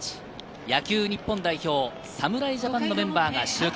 野球日本代表、侍ジャパンのメンバーが集結。